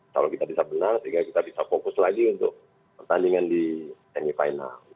kalau kita bisa menang sehingga kita bisa fokus lagi untuk pertandingan di semifinal